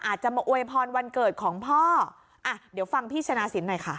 อาจจะมาอวยพรวันเกิดของพ่ออ่ะเดี๋ยวฟังพี่ชนะสินหน่อยค่ะ